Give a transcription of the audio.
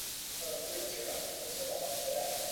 跟开店的姑妈一起住